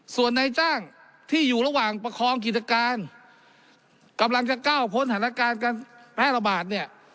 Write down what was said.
ส่วนในจ้างที่อยู่ระหว่างประคองกิจการกำลังจะก้าวพ้นสถานการณ์การแพร่ระบาดเนี่ย